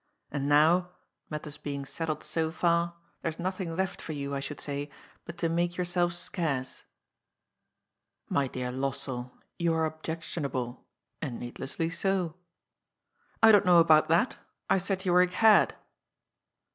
*^ And now, matters being settled so &r, there is nothing left for you, I should say, but to make yourself scarce." *'My dear Lossell, you are objectionable. And need lessly so." " I don't know about that. I said you were a cad."